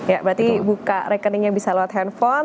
ya berarti buka rekeningnya bisa lewat handphone